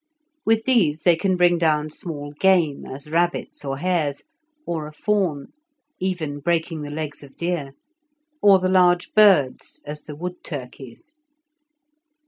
With these they can bring down small game, as rabbits or hares, or a fawn (even breaking the legs of deer), or the large birds, as the wood turkeys.